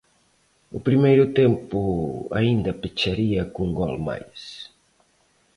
O primeiro tempo aínda pecharía cun gol máis.